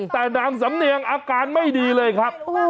แต่นางสำเนียงอาการไม่ดีเลยครับ